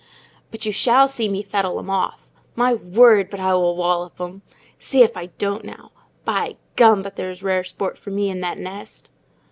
"But you shall see me fettle 'em off. My word, but I will wallop 'em? See if I don't now. By gum! but there's rare sport for me in that nest."